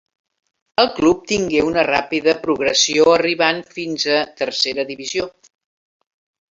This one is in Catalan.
El club tingué una ràpida progressió arribant fins a Tercera Divisió.